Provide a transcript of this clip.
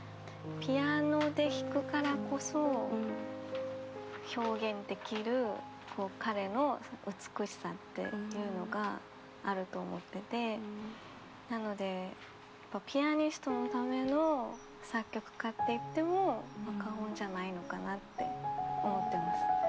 ピアノで弾くからこそ表現できる彼の美しさっていうのがあると思っててなのでピアニストのための作曲家って言っても過言じゃないのかなって思ってます。